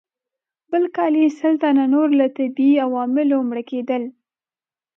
بل کال یې سل تنه نور له طبیعي عواملو مړه کېدل.